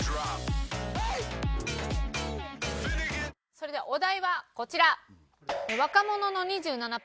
それではお題はこちら。